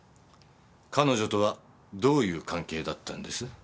彼女とはどういう関係だったんです？